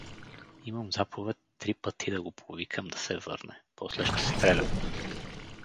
— Имам заповед три пъти да го повикам да се върне, после ще стрелям.